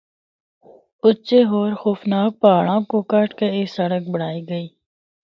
اُچے ہور خوفناک پہاڑاں کو کٹ اے سڑک بنڑائی گئی۔